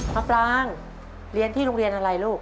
พระปรางเรียนที่โรงเรียนอะไรลูก